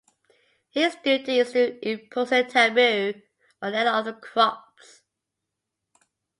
His duty is to impose a taboo on any of the crops.